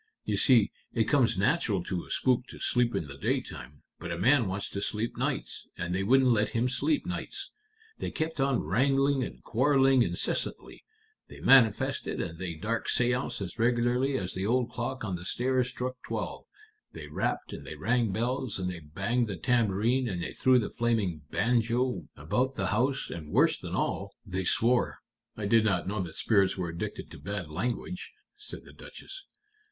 You see, it comes natural to a spook to sleep in the daytime, but a man wants to sleep nights, and they wouldn't let him sleep nights. They kept on wrangling and quarreling incessantly; they manifested and they dark séanced as regularly as the old clock on the stairs struck twelve; they rapped and they rang bells and they banged the tambourine and they threw the flaming banjo about the house, and, worse than all, they swore." "I did not know that spirits were addicted to bad language," said the Duchess.